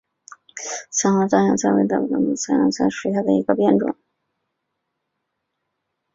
伞花獐牙菜为龙胆科獐牙菜属下的一个变种。